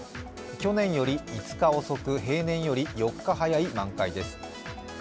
去年より５日遅く、平年より４日早い段階です。